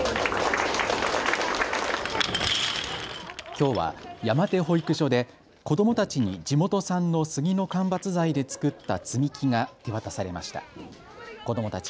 きょうは山手保育所で子どもたちに地元産の杉の間伐材で作った積み木が手渡されました。